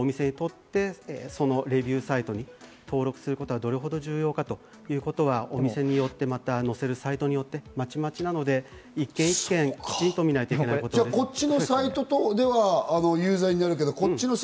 一つ一つのお店にとって、そのレビューサイトに登録することはどれほど重要かということは、お店によって、また載せるサイトによってまちまちなので、一点一点きちんと見ないといけないです。